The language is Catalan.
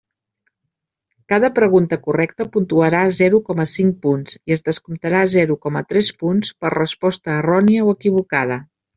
Cada pregunta correcta puntuarà zero coma cinc punts i es descomptarà zero coma tres punts per resposta errònia o equivocada.